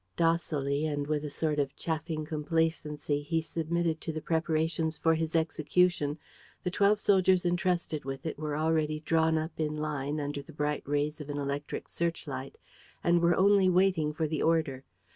Docilely and with a sort of chaffing complacency he submitted to the preparations for his execution. The twelve soldiers entrusted with it were already drawn up in line under the bright rays of an electric search light and were only waiting for the order.